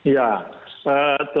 ya tentu china adalah militer